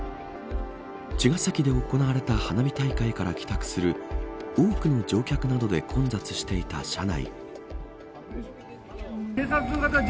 茅ヶ崎で行われた花火大会から帰宅する多くの乗客などで混雑していた車内。